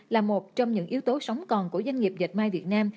là một trong những yếu tố sống còn của doanh nghiệp dẹp mây việt nam